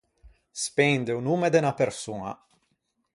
Spende o nomme de unna persoña.